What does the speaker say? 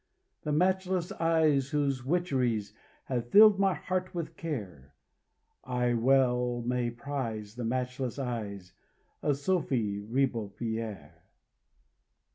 The matchless eyes, whose witcheries Have filled my heart with care; I well may prize the matchless eyes Of Sophy Ribeaupierre.